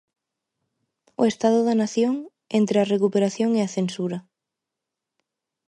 'O estado da nación, entre a recuperación e a censura'.